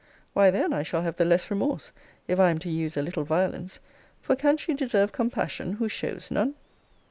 Why then I shall have the less remorse, if I am to use a little violence: for can she deserve compassion, who shows none?